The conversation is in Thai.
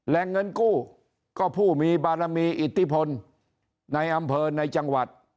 แหล่งเงินกู้ก็ผู้มีบารมีอิทธิพลในอำเภอในจังหวัด